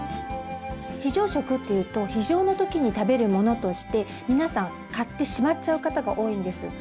非常食っていうと非常の時に食べるものとして皆さん買ってしまっちゃう方が多いんです。